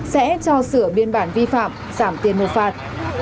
sẽ cho sửa biên bản vi phạm giảm tiền nộp phạt